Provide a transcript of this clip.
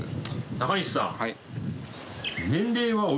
中西さん。